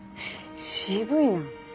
渋いな。